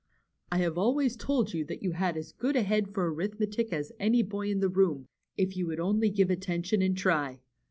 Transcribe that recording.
I have always told you that you had as good a head for arithmetic as any boy in the room, if you would only give attention and try."